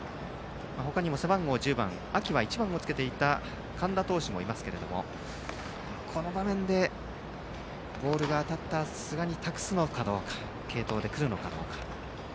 他にも、背番号１０番秋は１番をつけていた神田投手もいますけれどもこの場面で、ボールが当たった寿賀に託すのか継投でくるのかどうか。